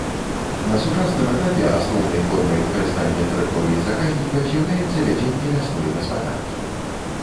На сучасным этапе асноўнай формай выкарыстання тэрыторыі заказніка з'яўляецца вядзенне лясной гаспадаркі.